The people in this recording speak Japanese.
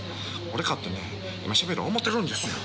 俺かてね今しゃべろう思うてるんですよ